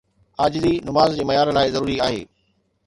عاجزي نماز جي معيار لاءِ ضروري آهي.